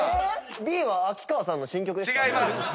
Ｂは秋川さんの新曲ですか？